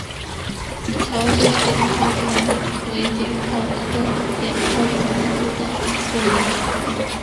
桥街碘泡虫为碘泡科碘泡虫属的动物。